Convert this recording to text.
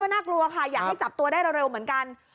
น่ากลัวค่ะอยากให้จับตัวได้เร็วเหมือนกัน